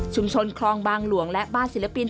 คลองบางหลวงและบ้านศิลปิน